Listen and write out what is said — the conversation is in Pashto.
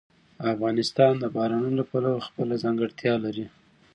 افغانستان د بارانونو له پلوه خپله ځانګړتیا لري.